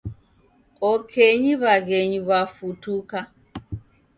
Okenyi w'aghenyu w'afutuka